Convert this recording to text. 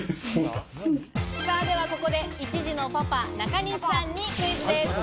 では、ここで１児のパパ、中西さんにクイズです。